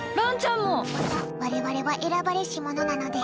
我々は選ばれし者なのです。